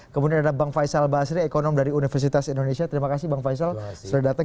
kemudian ada bang faisal basri ekonom dari universitas indonesia terima kasih bang faisal sudah datang